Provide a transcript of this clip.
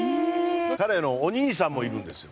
彼のお兄さんもいるんですよ。